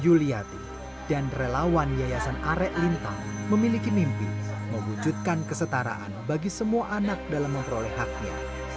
yuliati dan relawan yayasan arek lintang memiliki mimpi mewujudkan kesetaraan bagi semua anak dalam memperoleh haknya